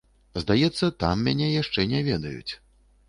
Здаецца, там мяне яшчэ не ведаюць.